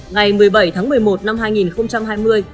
ngày một mươi bảy tháng một mươi một năm hai nghìn hai mươi